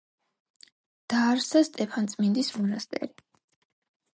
დააარსა სტეფანწმინდის მონასტერი.